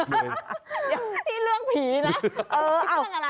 ที่เลือกผีนะ